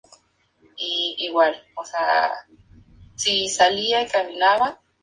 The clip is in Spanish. El álbum tiene mucho, pero es el más corto.